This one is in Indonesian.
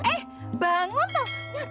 eh bangun tau